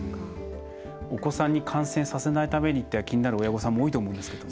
お子さんに感染させないためにって気になる親御さんも多いと思うんですけども。